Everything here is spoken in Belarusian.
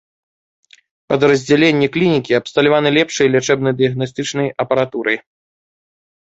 Падраздзяленні клінікі абсталяваны лепшай лячэбна-дыягнастычнай апаратурай.